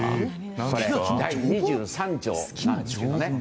第２３条なんですけどね。